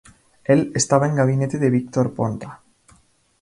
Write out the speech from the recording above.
Él estaba en el gabinete de Victor Ponta.